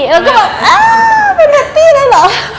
แล้วก็แบบเออเป็นแพตตี้ได้เหรอ